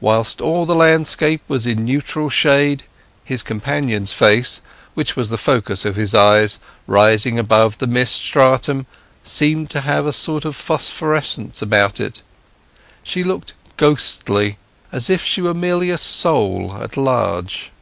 Whilst all the landscape was in neutral shade his companion's face, which was the focus of his eyes, rising above the mist stratum, seemed to have a sort of phosphorescence upon it. She looked ghostly, as if she were merely a soul at large.